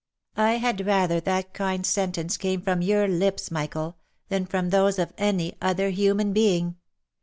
" I had rather that kind sentence came from your lips, Michael, than from those of any other human being.